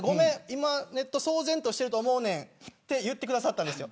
今、ネットは騒然としてると思うねんと言ってくださったんです。